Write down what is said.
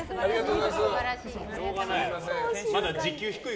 しょうがない。